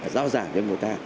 giao giảm cho người ta